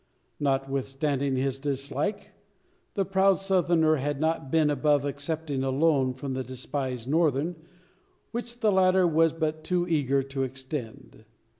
Notwithstanding his dislike, the proud Southerner had not been above accepting a loan from the despised Northern, which the latter was but too eager to extend.